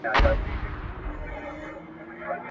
حکومتونه چیري نړیوالي غونډي تنظیموي؟